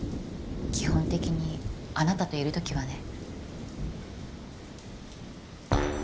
基本的にあなたといる時はね。